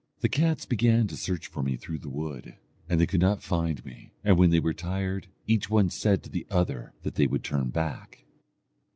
The cats began to search for me through the wood, and they could not find me; and when they were tired, each one said to the other that they would turn back.